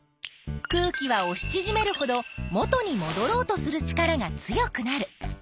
空気はおしちぢめるほど元にもどろうとする力が強くなる。